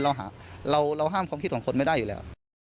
เราห้ามความคิดของคนไม่ได้อยู่แล้ว